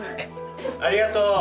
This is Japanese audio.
ありがとう。